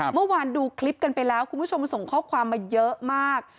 เมื่อวานดูคลิปกันไปแล้วคุณผู้ชมส่งข้อความมาเยอะมาก